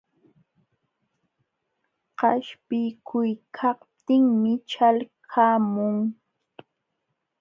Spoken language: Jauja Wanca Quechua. Qaspiykuykaptinmi ćhalqamun.